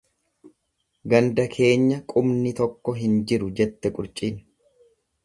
Ganda keenya qubni tokko hin jiru jette qurcin.